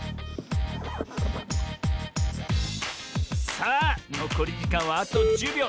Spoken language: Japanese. さあのこりじかんはあと１０びょう。